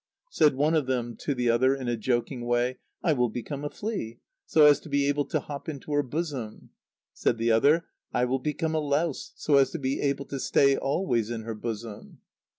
Said one of them to the other, in a joking way: "I will become a flea, so as to be able to hop into her bosom." Said the other: "I will become a louse, so as to be able to stay always in her bosom."